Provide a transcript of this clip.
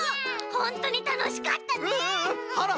ほんとにたのしかった！